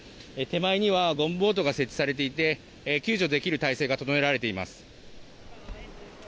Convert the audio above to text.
手前にはゴムボートが設置されていて救助できる態勢が整えられています。